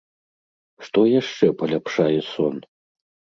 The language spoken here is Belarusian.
Што яшчэ паляпшае сон?